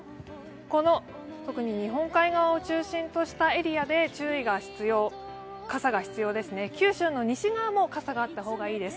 この特に日本海側を中心としたエリアで注意が必要傘が必要ですね、九州の西側も傘があった方がいいです。